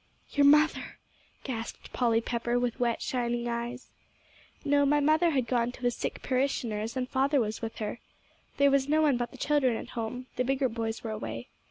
"Your mother," gasped Polly Pepper, with wet, shining eyes. "No; my mother had gone to a sick parishioner's, and father was with her. There was no one but the children at home; the bigger boys were away.